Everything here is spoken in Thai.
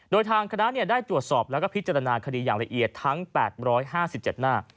โดยทางคณะได้ตรวจสอบแล้วก็พิจารณาคดีอย่างละเอียดทั้ง๘๕๗หน้า